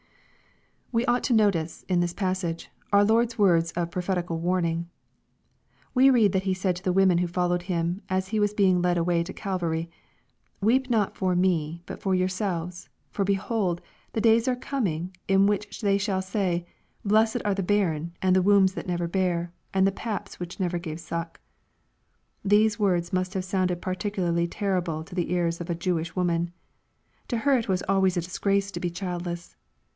We ought to notice, in this passage, our Lord's words of prophetical warning. We read that he said to the women who followed Him, as He was being led away to Calvary, " Weep not for me, but for yourselves. For, behold, the days are coming, in the which they shall say, Blessed are the barren, and the wombs that never bare, and the paps which never gave suck." These words must have sounded peculiarly terrible to the ears of a Jewish woman. To her it was always a disgrace to be childless.